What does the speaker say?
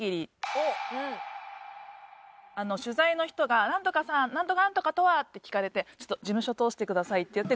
取材の人が「なんとかさんなんとかなんとかとは？」って聞かれて事務所通してくださいっていって。